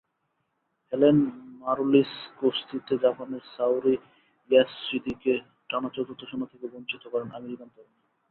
Helen মারুলিসকুস্তিতে জাপানের Saori ইয়োশিদাকে টানা চতুর্থ সোনা থেকে বঞ্চিত করেনআমেরিকান তরুণী।